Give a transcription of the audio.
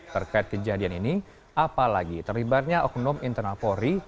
terkait kejadian ini apalagi terlibatnya oknum internal polri